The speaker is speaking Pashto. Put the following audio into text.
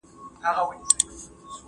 زه بايد واښه راوړم!.